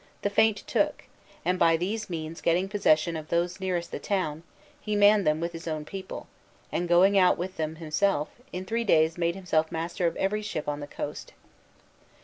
The feint took; and by these means getting possession of those nearest the town, he manned them with his own people; and going out with them himself, in three days made himself master of every ship on the coast.